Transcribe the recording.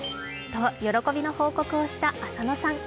と喜びの報告をした浅野さん。